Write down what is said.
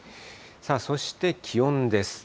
そして気温です。